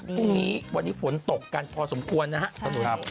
พรุ่งนี้วันนี้ฝนตกกันพอสมควรนะครับ